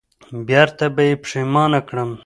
بېرته به یې پښېمان کړم